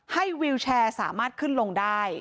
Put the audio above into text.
วิวแชร์สามารถขึ้นลงได้